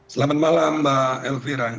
selamat malam mbak elvira